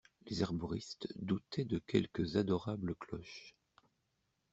Les herboristes doutaient de quelques adorables cloches.